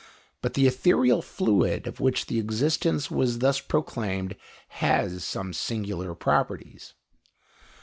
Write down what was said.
But the ethereal fluid of which the existence was thus proclaimed has some singular properties.